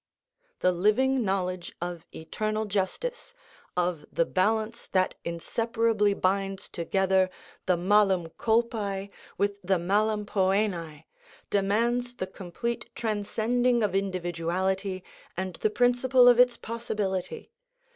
The living knowledge of eternal justice, of the balance that inseparably binds together the malum culpæ with the malum pœnæ, demands the complete transcending of individuality and the principle of its possibility.